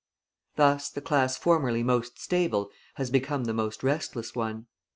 Thus the class formerly most stable has become the most restless one.